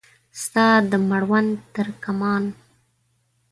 ستا د مړوند ترکمان